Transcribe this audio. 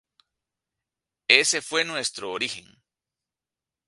Ese fue nuestro origen.